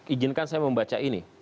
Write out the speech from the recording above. ijinkan saya membaca ini